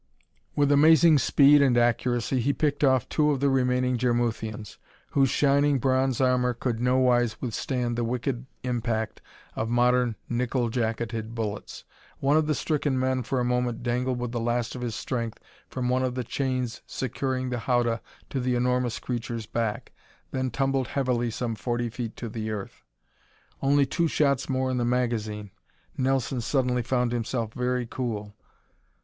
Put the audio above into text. With amazing speed and accuracy he picked off two of the remaining Jarmuthians, whose shining, bronze armor could nowise withstand the wicked impact of modern nickel jacketed bullets. One of the stricken men for a moment dangled with the last of his strength from one of the chains securing the howdah to the enormous creature's back, then tumbled heavily some forty feet to the earth. Only two shots more in the magazine ! Nelson suddenly found himself very cool.